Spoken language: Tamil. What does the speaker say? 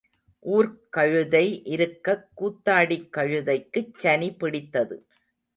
ஊர்க் கழுதை இருக்கக் கூத்தாடிக் கழுதைக்குச் சனி பிடித்தது.